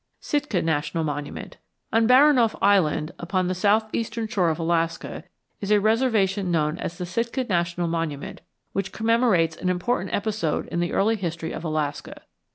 SITKA NATIONAL MONUMENT On Baranoff Island, upon the southeastern shore of Alaska, is a reservation known as the Sitka National Monument which commemorates an important episode in the early history of Alaska.